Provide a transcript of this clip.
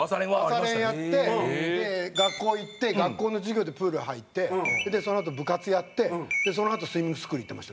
朝練やって学校行って学校の授業でプール入ってそのあと部活やってそのあとスイミングスクール行ってました。